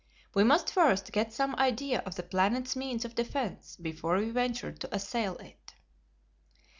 We must first get some idea of the planet's means of defence before we ventured to assail it.